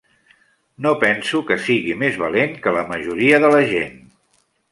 No penso que sigui més valent que la majoria de la gent.